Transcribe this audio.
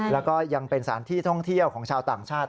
แล้วก็ยังเป็นสถานที่ท่องเที่ยวของชาวต่างชาติ